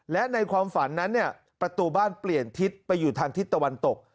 และในความฝันนั้นเนี่ยประตูบ้านเปลี่ยนทิศไปอยู่ทางทิศตะวันตก